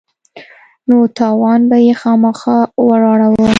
نو تاوان به يې خامخا وراړاوه.